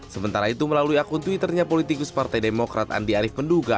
sementara itu melalui akun twitternya politikus partai demokrat andi arief menduga